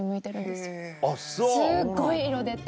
すっごい色出て。